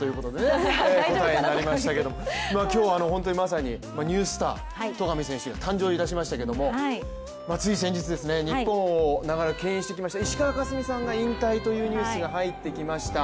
今日は本当にまさにニュースター、戸上選手が誕生いたしましたけれどもつい先日日本を長らくけん引してきました石川佳純さんが引退というニュースが入ってきました。